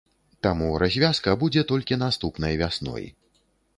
Таму развязка будзе толькі наступнай вясной.